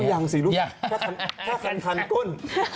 โอ้ยังสิแค่ทานกุ้น